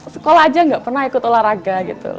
sekolah aja gak pernah ikut olahraga gitu